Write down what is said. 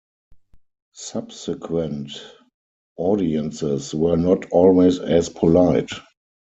Subsequent audiences were not always as polite.